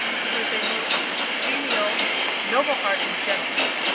He was a most genial, noble hearted gentleman.